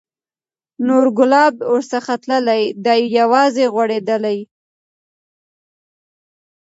نور ګلاب ورڅخه تللي، دی یوازي غوړېدلی